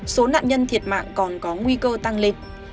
số nạn nhân thiệt mạng còn có nguy cơ tăng lên